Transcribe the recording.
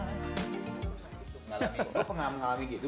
gue pengalami gitu